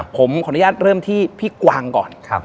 ผมขออนุญาตเริ่มที่พี่กวางก่อน